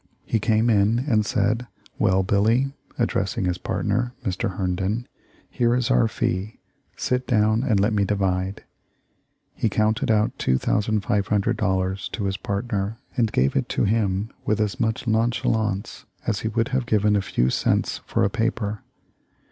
He came in and said ; 'Well, Billy,' addressing his partner, Mr. Herndon, 'here is our fee ; sit down and let me divide.' He counted out $2,500 to his' partner, and gave it to him with as much nonchalance as he would have given a few cents for a paper.